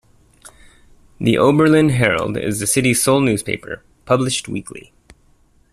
"The Oberlin Herald" is the city's sole newspaper, published weekly.